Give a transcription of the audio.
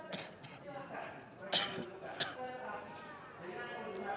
kesalahan ini mereka menangguh selama enam bulan dan selama menangguh itu konser